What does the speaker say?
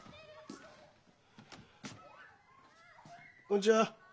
こんちは。